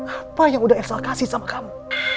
apa yang udah exha kasih sama kamu